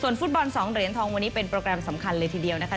ฟุตบอล๒เหรียญทองวันนี้เป็นโปรแกรมสำคัญเลยทีเดียวนะคะ